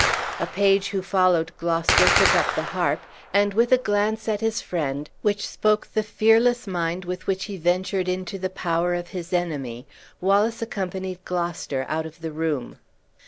A page who followed Gloucester took up the harp, and with a glance at his friend, which spoke the fearless mind with which he ventured into the power of his enemy, Wallace accompanied Gloucester out of the room.